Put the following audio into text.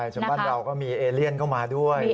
ส่วนบ้านเราก็มีเอเลียนเข้ามาด้วย